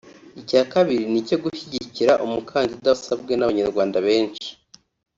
Icya kabiri ni icyo gushyigikira umukandida wasabwe n’Abanyarwanda benshi